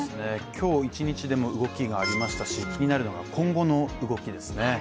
今日一日でも動きがありましたし気になるのが今後の動きですね。